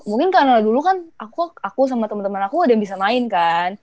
mungkin karena dulu kan aku sama teman teman aku ada yang bisa main kan